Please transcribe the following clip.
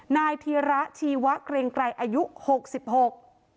นายธีระชีวะเกรงไกรอายุหกสิบหก